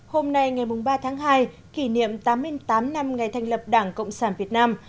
hôm nay ngày ba tháng hai kỷ niệm tám mươi tám năm ngày thành lập đảng cộng sản việt nam